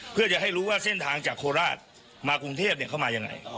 เพื่อจะให้รู้ว่าเส้นทางจากโคราชมากรุงเทพเข้ามายังไง